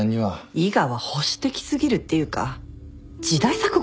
伊賀は保守的過ぎるっていうか時代錯誤ですよね。